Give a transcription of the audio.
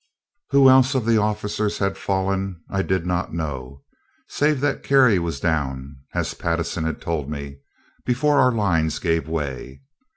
Who else of the officers had fallen, I did not know, save that Cary was down, as Pattison had told me, before our lines gave way.